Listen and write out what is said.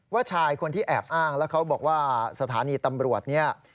ชายคนที่แอบอ้างแล้วเขาบอกว่าสถานีตำรวจเนี่ย